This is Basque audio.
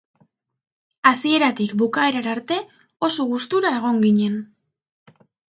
Hasieratik bukaerara arte oso gustura egon ginen.